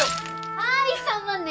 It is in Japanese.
はい３万ね。